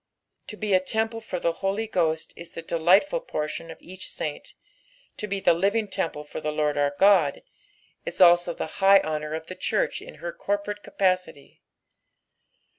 To be a temple for the Holy Ghost is the delightful portion of each saiut, to be the living temple for the Lord out God is also the high honour of the church in her corporate capacity.